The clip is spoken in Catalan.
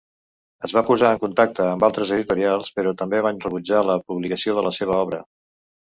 Es va posar en contacte amb altres editorials, però també van rebutjar la publicació de la seva obra.